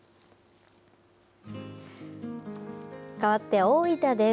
かわって大分です。